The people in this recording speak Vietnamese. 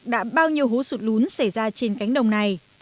đã bao nhiêu hố sụt lún xảy ra trên cánh đồng này